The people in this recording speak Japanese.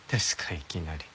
いきなり。